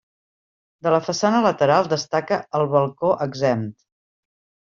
De la façana lateral destaca el balcó exempt.